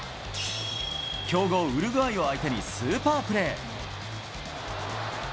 強豪ウルグアイを相手に、スーパープレー。